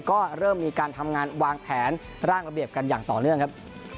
ก็เริ่มมีการทำงานวางแผนร่างระเบียบกันอย่างต่อเนื่องครับ